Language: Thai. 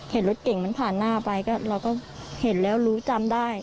เห็นรถเก่งมันผ่านหน้าไปก็เราก็เห็นแล้วรู้จำได้